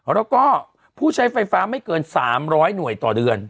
แล้วก็ผู้ใช้ไฟฟ้าไม่เกิน๓๐๐หน่วยต่อเดือน